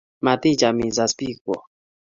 Maticham isas biik kwok.